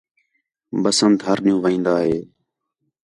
بسنت ہِر ݙِین٘ہوں وین٘دا ہِے